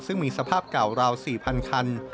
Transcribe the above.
ซึ่งมีสภาพเก่าราว๔๐๐คัน